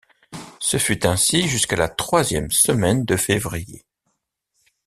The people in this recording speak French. Ce fut ainsi jusqu’à la troisième semaine de février.